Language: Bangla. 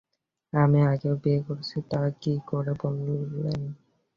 আমি আগেও বিয়ে করেছি, তা কী করে বললেন?